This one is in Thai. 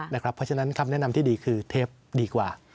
เพราะฉะนั้นคำแนะนำที่ดีคือเทปดีกว่า